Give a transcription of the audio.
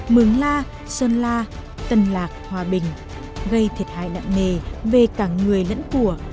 mường la sơn la tân lạc hòa bình gây thiệt hại lạng mề về cả người lẫn của